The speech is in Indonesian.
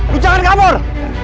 lu jangan kabur